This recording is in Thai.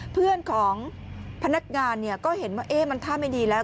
เพื่อนของพนักงานก็เห็นว่ามันท่าไม่ดีแล้ว